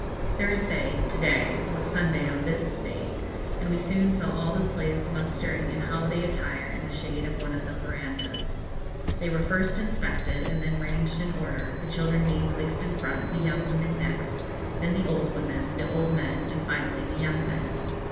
Thursday (to day) was Sunday on this estate, and we soon saw all the slaves mustering in holiday attire in the shade of one of the verandahs. They were first inspected, and then ranged in order, the children being placed in front, the young women next, then the old women, the old men, and finally the young men.